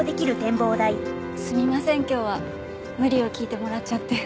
すみません今日は無理を聞いてもらっちゃって。